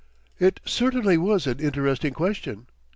It certainly was an interesting question.